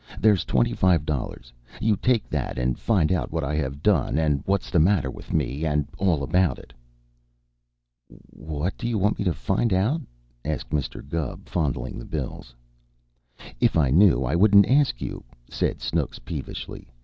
"There's twenty five dollars. You take that and find out what I have done, and what's the matter with me, and all about it." "What do you want me to find out?" asked Mr. Gubb, fondling the bills. "If I knew, I wouldn't ask you," said Snooks peevishly.